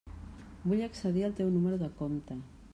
Vull accedir al teu número de compte.